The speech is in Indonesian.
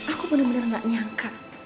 aku benar benar gak nyangka